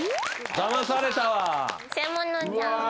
だまされたわ。